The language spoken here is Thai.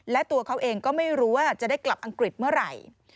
และตัวเขาเองก็ไม่รู้ว่าจะได้กลับอังกฤษเมื่อไหร่